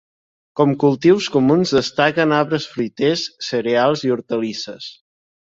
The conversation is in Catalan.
Com cultius comuns destaquen arbres fruiters, cereals i hortalisses.